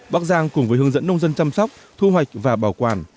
bắc giang cùng với hướng dẫn nông dân chăm sóc thu hoạch và bảo quản